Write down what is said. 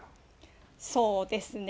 そうですね。